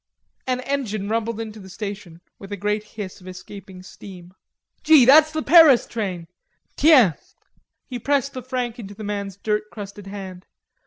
An engine rumbled into the station, with a great hiss of escaping steam. "Gee, that's the Paris train! Tiens!" He pressed the franc into the man's dirt crusted hand.